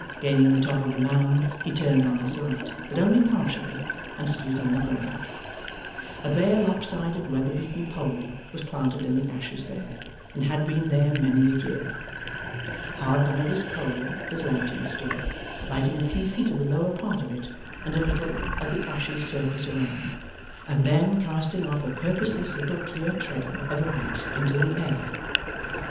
Gaining the top of the Mound, he turned on his light but only partially and stood it on the ground. A bare lopsided weatherbeaten pole was planted in the ashes there, and had been there many a year. Hard by this pole, his lantern stood: lighting a few feet of the lower part of it and a little of the ashy surface around, and then casting off a purposeless little clear trail of light into the air.